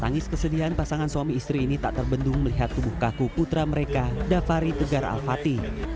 tangis kesedihan pasangan suami istri ini tak terbendung melihat tubuh kaku putra mereka dafari tegar al fatih